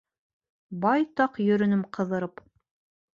Байтаҡ йөрөнөм ҡыҙырып.